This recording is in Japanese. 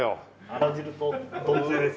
あら汁と丼つゆです。